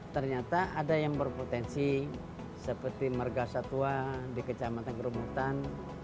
ternyata ada yang berpotensi seperti merga satwa di kecamatan kerumutan